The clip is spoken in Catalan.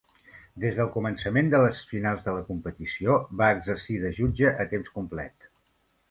Des del començament de les finals de la competició, va exercir de jutge a temps complet.